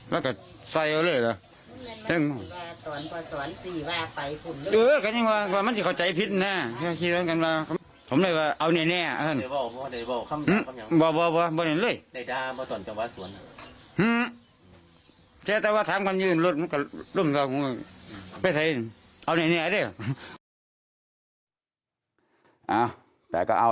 มันมาเฉียงกูทำไมค่ะ